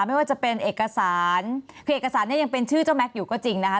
ไม่ว่าจะเป็นเอกสารคือเอกสารเนี่ยยังเป็นชื่อเจ้าแม็กซ์อยู่ก็จริงนะคะ